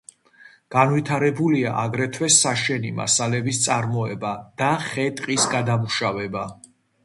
განვითარებულია აგრეთვე საშენი მასალების წარმოება და ხე-ტყის გადამუშავება.